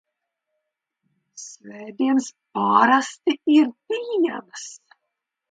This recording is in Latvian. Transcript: Svētdienas parasti ir dienas.